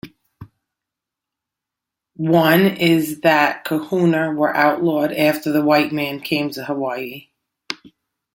One is that kahuna were outlawed after the white man came to Hawaii.